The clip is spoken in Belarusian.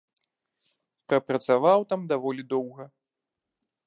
Прапрацаваў там даволі доўга.